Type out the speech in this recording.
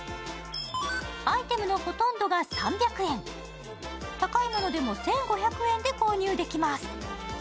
アイテムのほとんどが３００円高いものでも１５００円で購入できます。